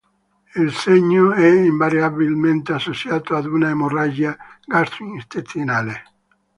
Il segno è invariabilmente associato ad una emorragia gastrointestinale.